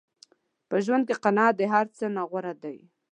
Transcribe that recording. په ژوند کې قناعت د هر څه نه غوره دی.